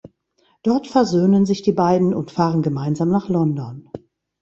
Dort versöhnen sich die beiden und fahren gemeinsam nach London.